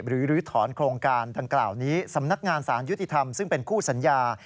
หรือลื้อถอนโครงการดังกล่าวนี้สำนักงานสารยุติธรรมซึ่งเป็นคู่สัญญา